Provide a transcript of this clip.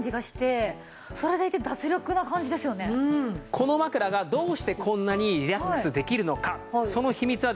この枕がどうしてこんなにリラックスできるのかその秘密はですね